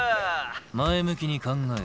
前向きに考える。